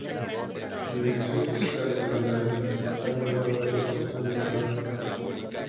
La dirección física de la Unidad Valle Dorado es "Blvd.